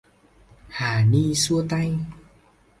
Hà Ni xua tay